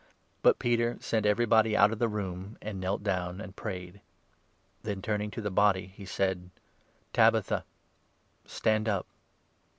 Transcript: But Peter sent everybody 40 out of the room, and knelt down and prayed. Then, turning to the body, he said : "Tabitha! stand up."